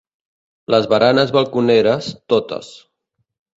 Les baranes balconeres, totes.